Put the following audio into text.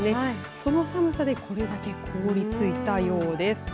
その寒さでこれだけ凍りついたようです。